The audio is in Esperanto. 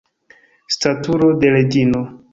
Staturo de reĝino!